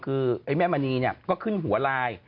คือแม่มณีก็ขึ้นหัวไลน์